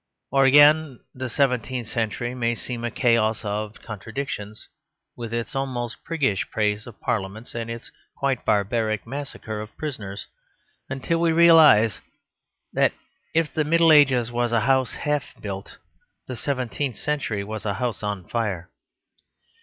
Or again, the seventeenth century may seem a chaos of contradictions, with its almost priggish praise of parliaments and its quite barbaric massacre of prisoners, until we realise that, if the Middle Ages was a house half built, the seventeenth century was a house on fire.